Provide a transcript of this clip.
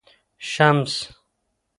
شمس